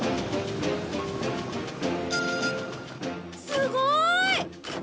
すごい！